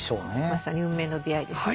まさに運命の出会いですね